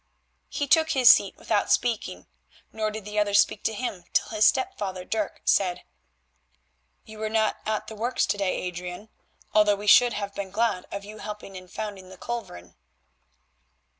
He took his seat without speaking, nor did the others speak to him till his stepfather Dirk said: "You were not at the works to day, Adrian, although we should have been glad of your help in founding the culverin."